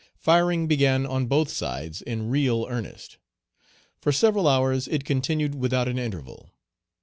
Firing began on both sides in real earnest. For several hours it continued without an interval.